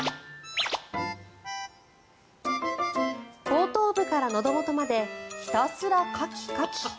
後頭部から、のど元までひたすらカキカキ。